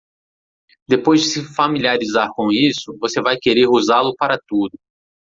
Depois de se familiarizar com isso, você vai querer usá-lo para tudo.